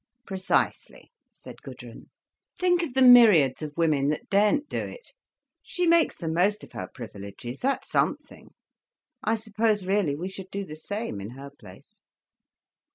"Precisely!" said Gudrun. "Think of the myriads of women that daren't do it. She makes the most of her privileges—that's something. I suppose, really, we should do the same, in her place."